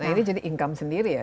nah ini jadi income sendiri ya